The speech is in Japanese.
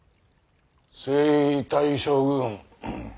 征夷大将軍。